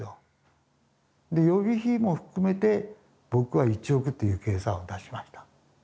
で予備費も含めて僕は１億っていう計算を出しました。